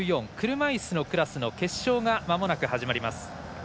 車いすのクラスの決勝がまもなく始まります。